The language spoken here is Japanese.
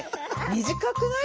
短くない？